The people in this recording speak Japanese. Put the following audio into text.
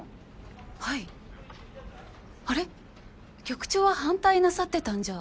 局長は反対なさってたんじゃ。